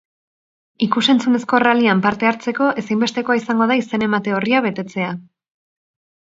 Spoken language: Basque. Ikus-entzunezko rallyan parte-hartzeko ezinbestekoa izango da izen-emate orria betetzea.